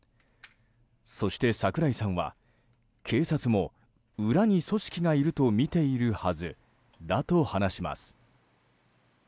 そして、櫻井さんは警察も、裏に組織がいるとみているはずだと話します。